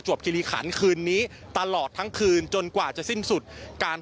คิริขันคืนนี้ตลอดทั้งคืนจนกว่าจะสิ้นสุดการ